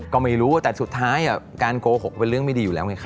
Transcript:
ก็ไม่รู้แต่สุดท้ายการโกหกก็เป็นเรื่องไม่ดีอยู่แล้วไงครับ